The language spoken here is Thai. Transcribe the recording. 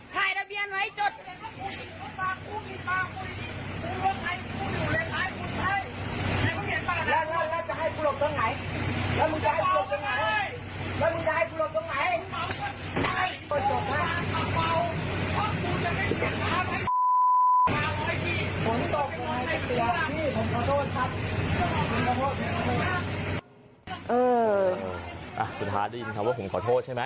ครับผมขอโทษผมขอโทษครับเอออ่าสุดท้ายได้ยินคำว่าผมขอโทษใช่มั้ย